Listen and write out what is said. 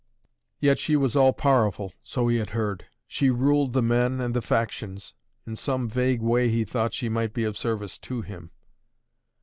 Yet she was all powerful, so he had heard. She ruled the men and the factions. In some vague way, he thought, she might be of service to him.